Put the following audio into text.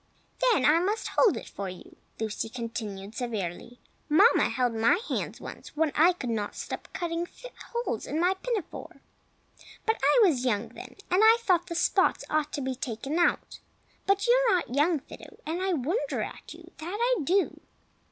"Then I must hold it for you!" Lucy continued, severely. "Mamma held my hands once when I would not stop cutting holes in my pinafore; but I was young then, and I thought the spots ought to be taken out. But you are not young, Fido, and I wonder at you, that I do!"